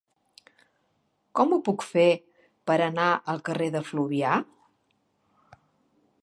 Com ho puc fer per anar al carrer de Fluvià?